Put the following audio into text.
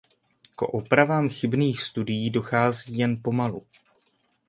K opravám chybných studií dochází jen pomalu.